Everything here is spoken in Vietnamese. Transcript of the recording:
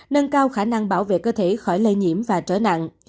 nâng cao khả năng bảo vệ cơ thể khỏi lây nhiễm và trở nặng